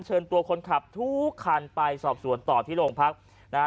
เชิญตัวคนขับทุกคันไปสอบสวนต่อที่โรงพักนะฮะ